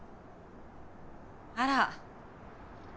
・あら。